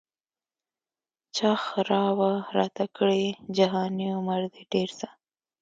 چا ښرا وه راته کړې جهاني عمر دي ډېر سه